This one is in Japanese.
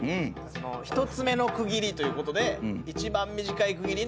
１つ目の区切りということで一番短い区切りの５分。